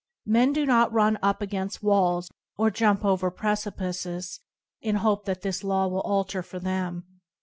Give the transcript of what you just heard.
Men do not run up against walls or jump over precipices in the hope that this law will alter for them.